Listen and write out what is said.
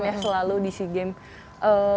ya selalu di sea games